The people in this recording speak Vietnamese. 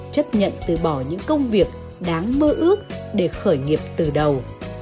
chấp nhận từ bỏ những công việc đáng mơ ước để khởi nghiệp từ đầu